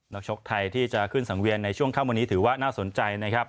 ชกไทยที่จะขึ้นสังเวียนในช่วงค่ำวันนี้ถือว่าน่าสนใจนะครับ